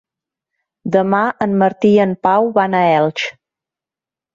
Demà en Martí i en Pau van a Elx.